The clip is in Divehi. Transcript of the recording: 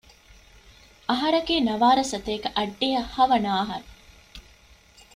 އަހަރަކީ ނަވާރަސަތޭކަ އަށްޑިހަ ހަވަނަ އަހަރު